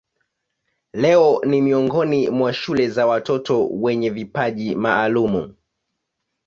Leo ni miongoni mwa shule za watoto wenye vipaji maalumu.